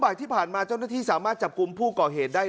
บ่ายที่ผ่านมาเจ้าหน้าที่สามารถจับกลุ่มผู้ก่อเหตุได้